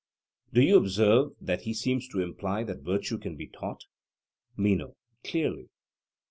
Do you observe that here he seems to imply that virtue can be taught? MENO: Clearly.